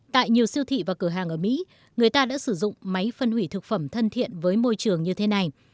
tại nhiều siêu thị và cửa hàng ở mỹ người ta đã sử dụng máy phân hủy thực phẩm thân thiện với môi trường như thế này